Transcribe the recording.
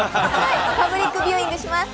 パブリックビューイングします。